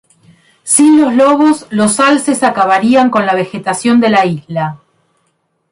Sin los lobos, los alces acabarían con la vegetación de la isla.